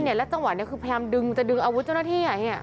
พี่เนี่ยและจังหวัดเนี่ยคือพยายามดึงจะดึงอาวุธเจ้าหน้าที่อ่ะเฮีย